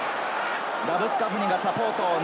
ラブスカフニがサポート。